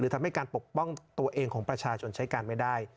ทำให้การปกป้องตัวเองของประชาชนใช้การไม่ได้